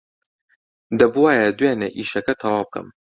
دەبووایە دوێنێ ئیشەکە تەواو بکەم.